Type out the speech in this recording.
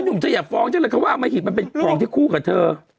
หนูจะอย่าฟ้องใช่ไงเค้าว่าไม้หิตมันปลอมที่คู่กับเธอ